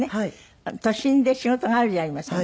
都心で仕事があるじゃありませんか。